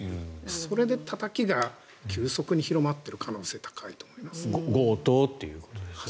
それでたたきが急速に広まっている可能性は高いですね。